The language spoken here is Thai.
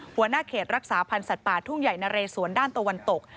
หัวหน้าเขตรักษาพันธ์สัตว์ป่าทุ่งใหญ่นะเรสวนด้านตะวันตก